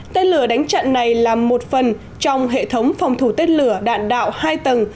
tên lửa đánh chặn này là một phần trong hệ thống phòng thủ tên lửa đạn đạo hai tầng